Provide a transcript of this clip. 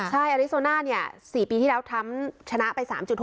ใช่อริโซน่าเนี่ย๔ปีที่แล้วทรัมป์ชนะไป๓๖